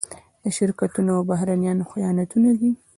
د شرکتونو او بهرنيانو خیانتونه دي.